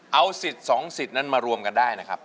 เอาสิทธิ์๒สิทธิ์นั้นมารวมกันได้นะครับ